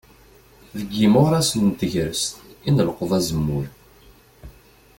Deg yimuras n tegrest i nleqqeḍ azemmur.